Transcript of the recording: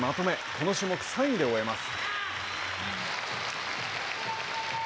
この種目３位で終えます。